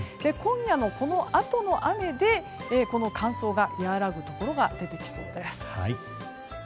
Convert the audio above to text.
今夜のこのあとの雨で乾燥がやわらぐところが出てきそうです。